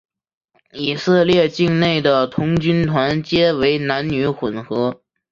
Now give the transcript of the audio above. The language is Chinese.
以色列境内的童军团皆为男女混合。